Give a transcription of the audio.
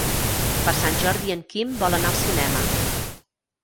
Per Sant Jordi en Quim vol anar al cinema.